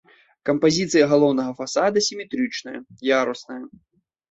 Кампазіцыя галоўнага фасада сіметрычная, ярусная.